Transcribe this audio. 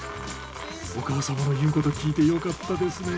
お母様の言うこと聞いてよかったですね。